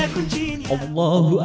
ya itu panggangan lah ya